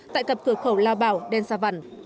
tại cặp cửa khẩu lao bảo đen sa văn